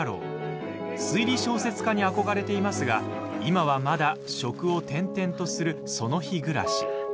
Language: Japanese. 推理小説家に憧れていますが今はまだ職を転々とするその日暮らし。